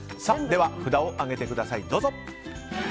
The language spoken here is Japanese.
では、札を上げてください。